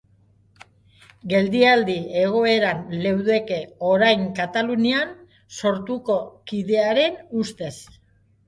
Geldialdi egoeran leudeke orain Katalunian Sortuko kidearen ustez.